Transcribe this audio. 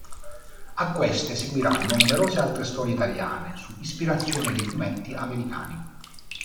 A queste seguiranno numerose altre storie italiane su ispirazione dei fumetti americani.